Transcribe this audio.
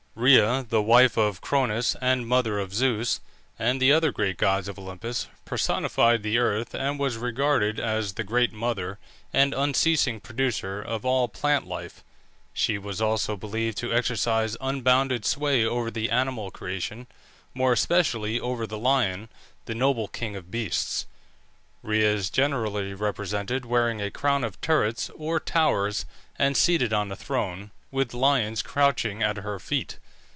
Rhea, the wife of Cronus, and mother of Zeus and the other great gods of Olympus, personified the earth, and was regarded as the Great Mother and unceasing producer of all plant life. She was also believed to exercise unbounded sway over the animal creation, more especially over the lion, the noble king of beasts. Rhea is generally represented wearing a crown of turrets or towers and seated on a throne, with lions crouching at her feet.